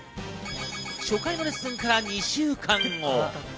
初回のレッスンから２週間後。